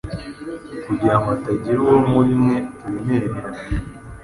kugira ngo hatagira uwo muri mwe turemerera.”